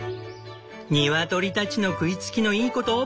ニワトリたちの食いつきのいいこと！